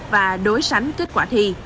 và đối sánh kết quả thi